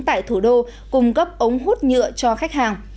tại thủ đô cung cấp ống hút nhựa cho khách hàng